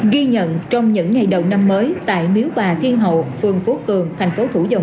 ghi nhận trong những ngày đầu năm mới tại miếu bà thiên hậu phương phố cường thành phố thủ dầu